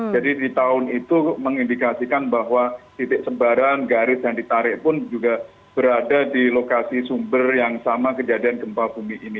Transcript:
jadi di tahun itu mengindikasikan bahwa titik sembarangan garis yang ditarik pun juga berada di lokasi sumber yang sama kejadian gempa bumi ini